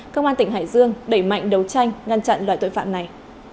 cơ quan tỉnh hải dương đẩy mạnh đấu tranh ngăn chặn loại tội phạm này